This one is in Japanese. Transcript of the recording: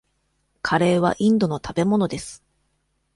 カレーはインドの食べ物です。